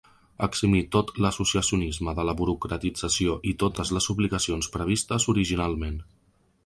Eximir tot l’associacionisme de la burocratització i totes les obligacions previstes originalment.